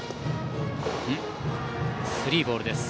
スリーボールです。